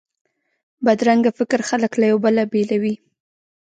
بدرنګه فکر خلک له یو بل بیلوي